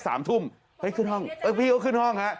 สามทุ่มเฮ้ยขึ้นห้อง